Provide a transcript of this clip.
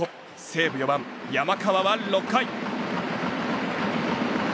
西武４番、山川は６回。